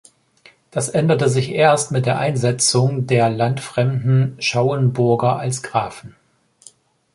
Das änderte sich erst mit der Einsetzung der landfremden Schauenburger als Grafen.